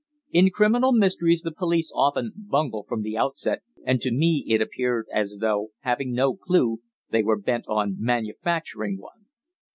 In criminal mysteries the police often bungle from the outset, and to me it appeared as though, having no clue, they were bent on manufacturing one.